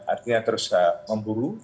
artinya terus memburu